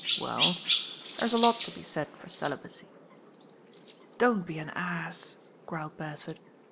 » P »• '•Well, there's a lot to be said for celibacy." Dont be an ass," growled Beresford.